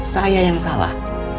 saya yang salah